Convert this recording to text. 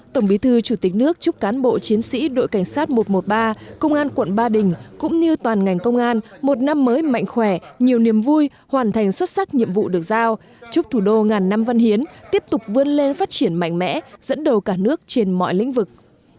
tổng bí thư chủ tịch nước chúc cán bộ chiến sĩ đội cảnh sát một trăm một mươi ba công an quận ba đình cũng như toàn ngành công an một năm mới mạnh khỏe nhiều niềm vui hoàn thành xuất sắc nhiệm vụ được giao chúc thủ đô ngàn năm văn hiến tiếp tục vươn lên phát triển mạnh mẽ dẫn đầu cả nước trên mọi lĩnh vực